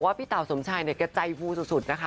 พี่เต่าสมชายเนี่ยแกใจฟูสุดนะคะ